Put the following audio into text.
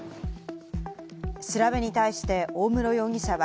調べに対して大室容疑者は、